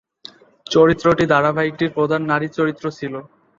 চরিত্রটি ধারাবাহিকটির প্রধান নারী চরিত্র ছিল।